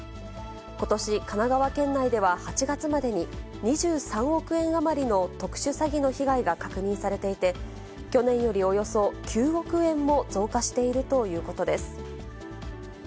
ことし、神奈川県内では８月までに、２３億円余りの特殊詐欺の被害が確認されていて、去年よりおよそ９億円も増加しているということです。